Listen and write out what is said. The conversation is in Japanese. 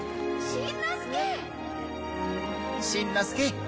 しんのすけ！